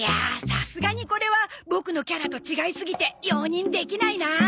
さすがにこれはボクのキャラと違いすぎて容認できないな。